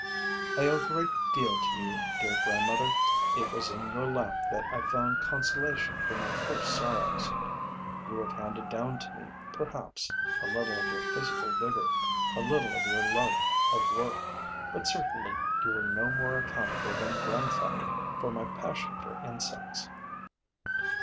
I owe a great deal to you, dear grandmother: it was in your lap that I found consolation for my first sorrows. You have handed down to me, perhaps, a little of your physical vigor, a little of your love of work; but certainly you were no more accountable than grandfather for my passion for insects.